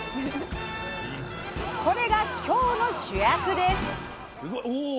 これが今日の主役です！